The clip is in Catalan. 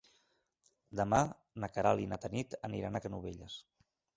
Demà na Queralt i na Tanit aniran a Canovelles.